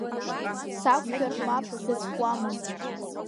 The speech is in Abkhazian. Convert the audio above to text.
Сақәшәар мап сзацәкуама.